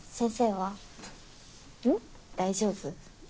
大丈夫？